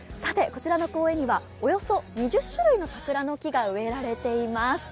こちらの公園には、およそ２０種類の桜の木が植えられています。